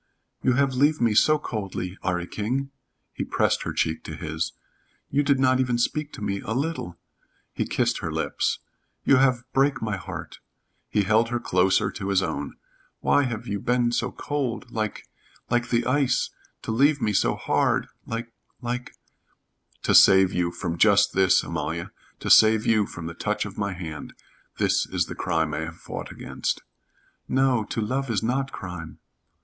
"You have leave me so coldly, 'Arry King." He pressed her cheek to his. "You did not even speak to me a little." He kissed her lips. "You have break my heart." He held her closer to his own. "Why have you been so cold like like the ice to leave me so hard like like " "To save you from just this, Amalia. To save you from the touch of my hand this is the crime I have fought against." "No. To love is not crime."